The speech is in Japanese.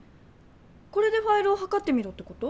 これでファイルをはかってみろってこと？